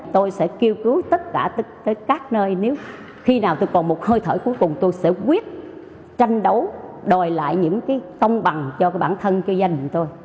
tôi sẽ kêu cứu tất cả các nơi nếu khi nào tôi còn một hơi thở cuối cùng tôi sẽ quyết tranh đấu đòi lại những thông bằng cho bản thân cho danh hình tôi